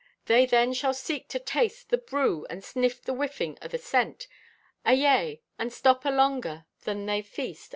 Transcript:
They then shall seek to taste the brew and sniff the whiffing o' the scent; ayea, and stop alonger that they feast!